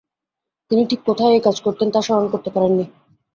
তিনি ঠিক কোথায় এই কাজ করতেন, তা স্মরণ করতে পারেননি।